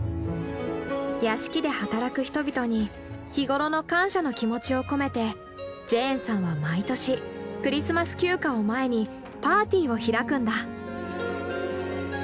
屋敷で働く人々に日頃の感謝の気持ちを込めてジェーンさんは毎年クリスマス休暇を前にパーティーを開くんだ。